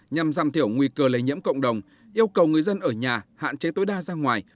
nhằm giảm thiểu nguy cơ lây nhiễm cộng đồng yêu cầu người dân ở nhà hạn chế tối đa ra ngoài